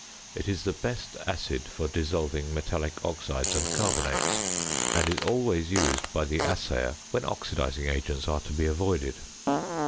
It is the best acid for dissolving metallic oxides and carbonates, and is always used by the assayer when oxidising agents are to be avoided.